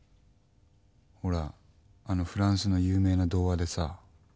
ほらあのフランスの有名な童話でさ。